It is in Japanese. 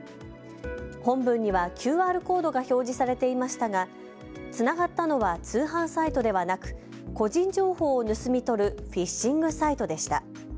本文にはＱＲコードが表示されていましたがつながったのは通販サイトではなく個人情報を盗み取るフィッシングサイトでした。